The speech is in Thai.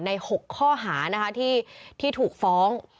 ใน๖ข้อหาที่ถูกฟ้อง